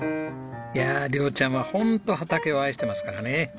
いや亮ちゃんはホント畑を愛してますからね。